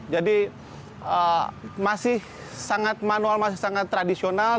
jadi masih sangat manual masih sangat tradisional